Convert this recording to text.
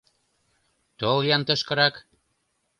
Тол-ян тышкырак!